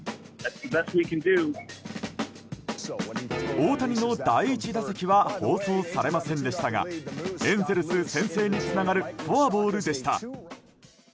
大谷の第１打席は放送されませんでしたがエンゼルス先制につながるフォアボールでした。